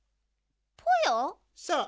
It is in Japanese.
そう。